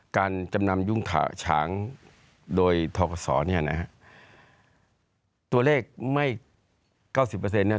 การจำนำยุ้งฉางโดยเนี้ยนะฮะตัวเลขไม่เก้าสิบเปอร์เซ็นต์น่ะ